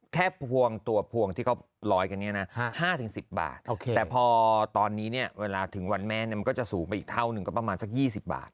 พวงตัวพวงที่เขาลอยกันเนี่ยนะ๕๑๐บาทแต่พอตอนนี้เนี่ยเวลาถึงวันแม่มันก็จะสูงไปอีกเท่านึงก็ประมาณสัก๒๐บาท